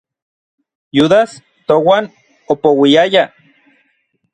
Yudas touan opouiaya.